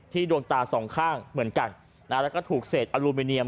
ดวงตาสองข้างเหมือนกันแล้วก็ถูกเศษอลูมิเนียม